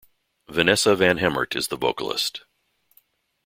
Vanessa van Hemert is the vocalist.